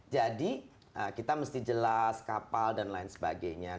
jadi kita mesti jelas kapal dan lain sebagainya